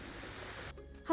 untuk menjarik ikan